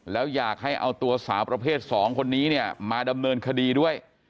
แล้วอยากให้เอาตัวสาวประเภท๒คนนี้เนี่ยมาดำเนินคดีด้วย